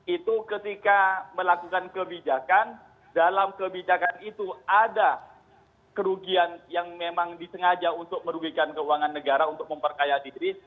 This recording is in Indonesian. itu ketika melakukan kebijakan dalam kebijakan itu ada kerugian yang memang disengaja untuk merugikan keuangan negara untuk memperkaya diri